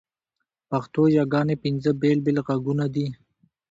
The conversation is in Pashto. پښتو یاګاني پینځه بېل بېل ږغونه دي.